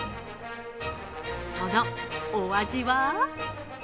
そのお味は？